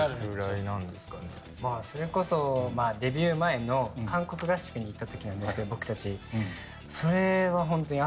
まぁそれこそデビュー前の韓国合宿に行った時なんですけど僕たちそれはホントに。